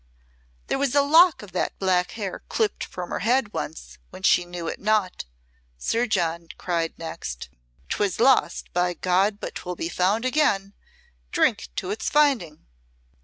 "There was a lock of that black hair clipt from her head once when she knew it not," Sir John cried next. "'Twas lost, by God, but 'twill be found again. Drink to its finding."